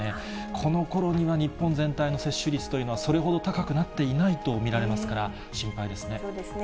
このころには、日本全体の接種率というのは、それほど高くなっていないと見られますから、心配ですね。